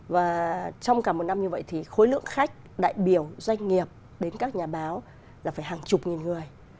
và trong cả một năm như vậy thì khối lượng khách đại biểu doanh nghiệp đến các nhà báo là phải hàng chục nghìn người